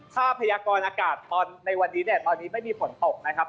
ถ้าพยากรอากาศในวันนี้เนี่ยตอนนี้ไม่มีฝนตกนะครับ